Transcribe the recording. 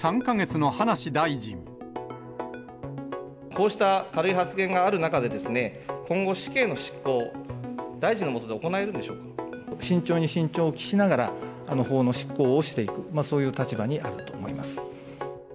こうした軽い発言がある中で、今後、死刑の執行、慎重に慎重を期しながら、法の執行をしていく、そういう立場にあると思います。